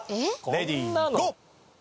レディーゴー！